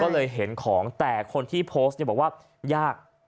ก็เลยเห็นของแต่คนที่โพสต์เนี่ยบอกว่ายาก